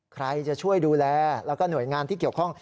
ใครจะช่วยดูแลแล้วก็หน่วยงานที่เกี่ยวข้อง